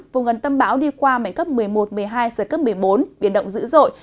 vùng gần tâm bão đi qua mạnh cấp một mươi một một mươi hai giật cấp một mươi bốn biển động dữ dội